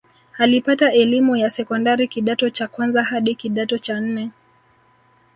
Alipata elimu ya sekondari kidato cha kwanza hadi kidato cha nne